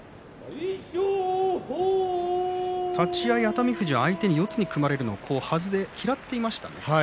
立ち合い、熱海富士相手に四つに組まれるのを嫌っていましたよね。